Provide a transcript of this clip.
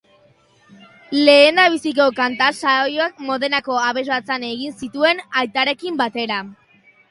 Lehendabiziko kanta-saioak Modenako abesbatzan egin zituen, aitarekin batera.